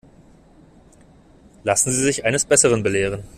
Lassen Sie sich eines Besseren belehren.